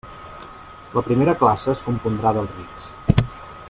La primera classe es compondrà dels rics.